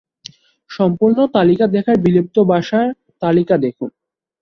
সম্পূর্ণ তালিকা দেখার বিলুপ্ত ভাষার তালিকা দেখুন।